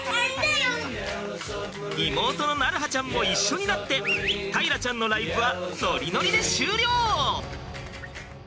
妹の鳴映ちゃんも一緒になって大樂ちゃんのライブはノリノリで終了！